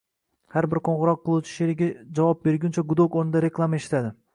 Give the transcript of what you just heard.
Har bir qo’ng’iroq qiluvchi sherigi javob berguncha gudok o’rnida reklama eshitadi